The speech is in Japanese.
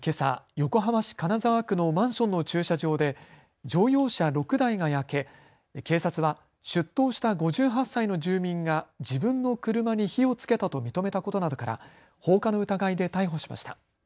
横浜市金沢区のマンションの駐車場で乗用車６台が焼け警察は出頭した５８歳の住民が自分の車に火をつけたと認めたことなどから放火の疑いで逮捕しました。